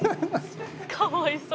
「かわいそう。